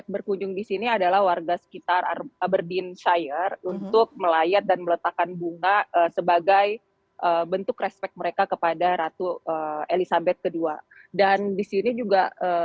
bagaimana situasi terkini di sana